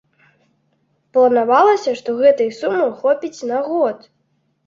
Планавалася, што гэтай сумы хопіць на год.